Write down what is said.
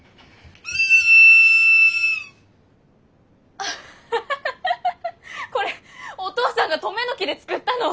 アハハハハこれお父さんが登米の木で作ったの。